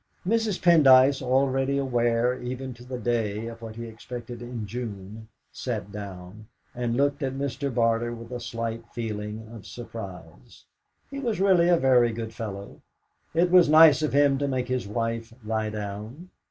Mrs. Pendyce, already aware even to the day of what he expected in June, sat down, and looked at Mr. Barter with a slight feeling of surprise. He was really a very good fellow; it was nice of him to make his wife lie down!